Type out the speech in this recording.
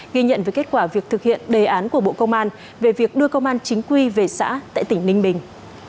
ghi nhận với kết quả việc thực hiện đề án của bộ công an về việc đưa công an chính quy về xã tại tỉnh ninh bình